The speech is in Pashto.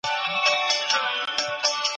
کار د خلګو له خوا ترسره کېږي.